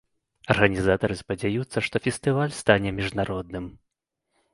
Арганізатары спадзяюцца, што фестываль стане міжнародным.